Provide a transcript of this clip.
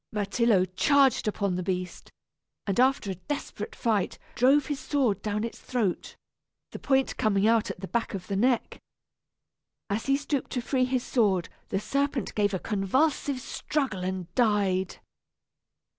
Myrtillo charged upon the beast, and after a desperate fight drove his sword down its throat, the point coming out at the back of the neck. As he stooped to free his sword the serpent gave a convulsive struggle and died.